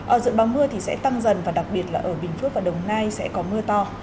ở dự báo mưa thì sẽ tăng dần và đặc biệt là ở bình phước và đồng nai sẽ có mưa to